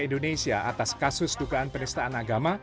dengan perangkat yang berbeda dengan perangkat yang berbeda